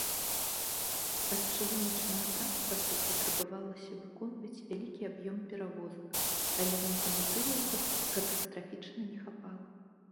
Ад чыгуначнага транспарту патрабавалася выконваць вялікі аб'ём перавозак, але лакаматываў катастрафічна не хапала.